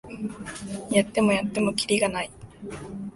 やってもやってもキリがない